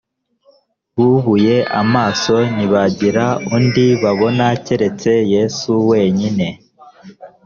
bubuye amaso ntibagira undi babona keretse yesu wenyine